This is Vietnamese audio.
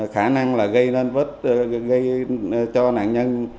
khả năng gây cho nạn nhân